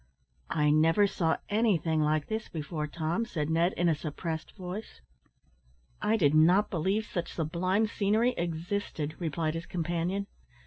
"I never saw anything like this before, Tom," said Ned, in a suppressed voice. "I did not believe such sublime scenery existed," replied his companion.